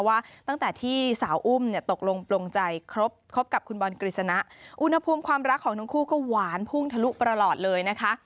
ว่าตั้งแต่ที่สาวอุ้มเนี่ยตกลงปลงใจครบกับคุณบอลกฤษณะอุณหภูมิความรักของทั้งคู่ก็หวานพุ่งทะลุประหลอดเลยนะคะ